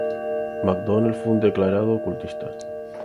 Mcdonnell, fue un declarado Ocultista.